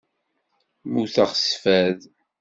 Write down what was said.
Muteɣ s fad.